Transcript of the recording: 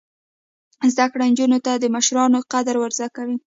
زده کړه نجونو ته د مشرانو قدر ور زده کوي.